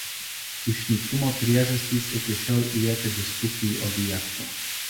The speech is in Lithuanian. Išnykimo priežastys iki šiol lieka diskusijų objektu.